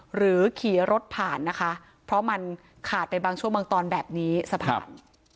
หรือขี่รถผ่านนะคะเพราะมันขาดไปบางช่วงบางตอนแบบนี้สะพาน